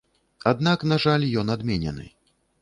Аднак, на жаль, ён адменены.